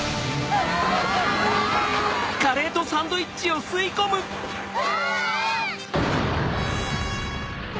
うわ！